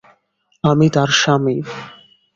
আমি তার স্বামী।